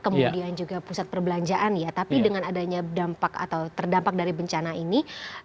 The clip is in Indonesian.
kemudian juga pusat perbelanjaan ya tapi dengan adanya dampak atau terdampak dari bencana ini